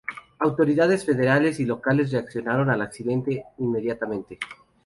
Autoridades federales y locales reaccionaron al accidente inmediatamente.